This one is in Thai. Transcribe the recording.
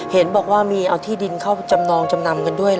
เห็นบอกว่ามีเอาที่ดินเข้าจำนองจำนำกันด้วย